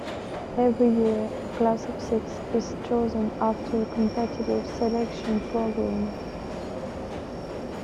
Every year a class of six is chosen after a competitive selection program.